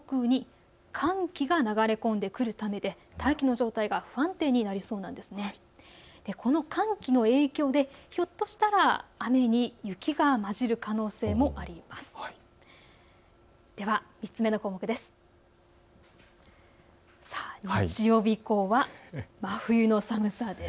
この寒気の影響でひょっとしたら雨に雪が交じる可能性もあります。